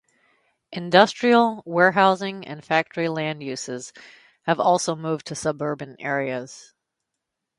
Industrial, warehousing, and factory land uses have also moved to suburban areas.